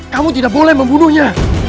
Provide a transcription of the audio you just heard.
kamu tidak boleh membunuhnya